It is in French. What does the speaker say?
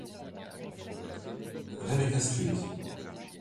Rebecca St.